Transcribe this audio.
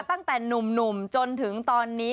ตั้งแต่หนุ่มจนถึงตอนนี้